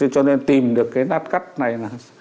cho nên tìm được cái nát cắt này